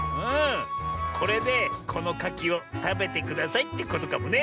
これでこのかきをたべてくださいってことかもね。